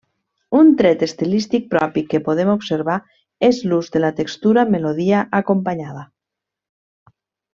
Un tret estilístic propi que podem observar és l’ús de la textura melodia acompanyada.